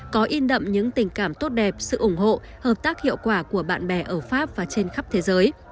có in đậm những tình cảm tốt đẹp sự ủng hộ hợp tác hiệu quả của bạn bè ở pháp và trên khắp thế giới